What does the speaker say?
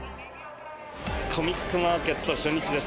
コミックマーケット初日です。